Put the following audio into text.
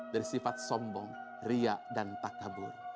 dari sifat sombong riak dan takabur